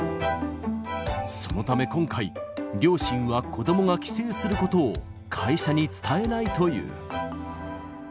そのため今回、両親は子どもが帰省することを会社に伝えないという。